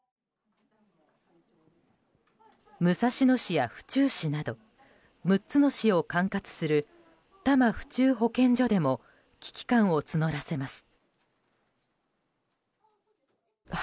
武蔵野市や府中市など６つの市を管轄する多摩府中保健所でも危機感を募らせます。